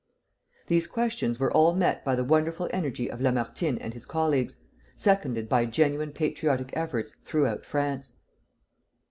These questions were all met by the wonderful energy of Lamartine and his colleagues, seconded by genuine patriotic efforts throughout France.